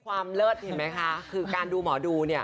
เลิศเห็นไหมคะคือการดูหมอดูเนี่ย